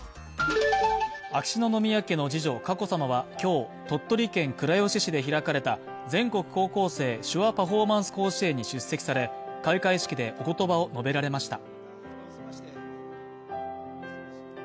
秋篠宮家の次女・佳子さまは今日鳥取県倉吉市で開かれた全国高校生手話パフォーマンス甲子園に出席され、開会式で、おことばを述べられました。